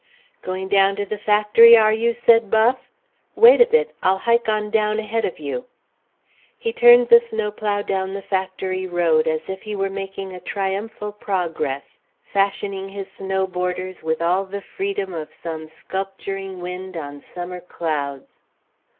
"Going down to the factory, are you?" Buff said. "Wait a bit. I'll hike on down ahead of you." He turned the snowplow down the factory road, as if he were making a triumphal progress, fashioning his snow borders with all the freedom of some sculpturing wind on summer clouds.